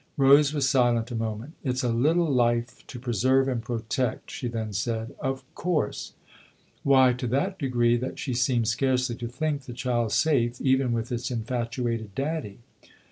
Rose was silent a moment. " It's a little life to preserve and protect," she then said. " Of course !" "Why, to that degree that she seems scarcely to think the child safe even with its infatuated daddy